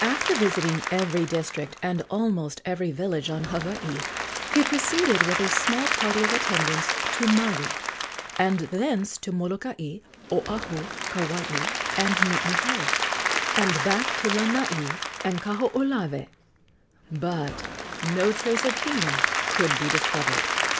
After visiting every district and almost every village on Hawaii, he proceeded with a small party of attendants to Maui, and thence to Molokai, Oahu, Kauai and Niihau, and back to Lanai and Kahoolawe; but no trace of Hina could be discovered.